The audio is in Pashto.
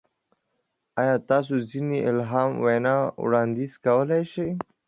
ایا تاسو ځینې الهامي وینا وړاندیز کولی شئ؟